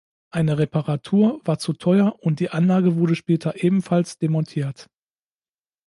Eine Reparatur war zu teuer und die Anlage wurde später ebenfalls demontiert.